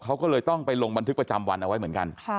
เขาก็เลยต้องไปลงบันทึกประจำวันเอาไว้เหมือนกัน